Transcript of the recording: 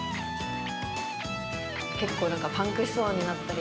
結構パンクしそうになったり。